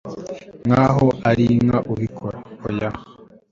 nkaho arinka ubikora oya